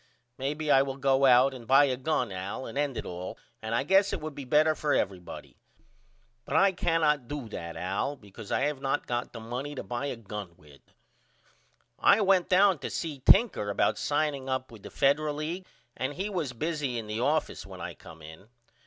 Maybe I will go out and buy a gun Al and end it all and I guess it would be better for everybody. But I cannot do that Al because I have not got the money to buy a gun with. I went down to see Tinker about signing up with the Federal League and he was busy in the office when I come in.